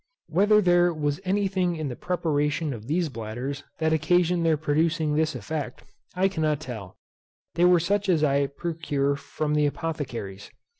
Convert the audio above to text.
Whether there was any thing in the preparation of these bladders that occasioned their producing this effect, I cannot tell. They were such as I procure from the apothecaries.